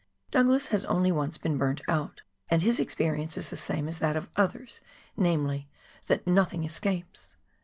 Douglas has only once been burnt out, and his experience is the same as that of others, namely, that nothing escapes.